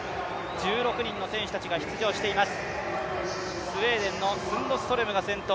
１６人の選手たちが出場しています。